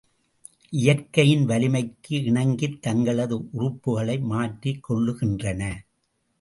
இயற்கையின் வலிமைக்கு இணங்கித் தங்களது உறுப்புக்களை மாற்றிக் கொள்ளுகின்றன.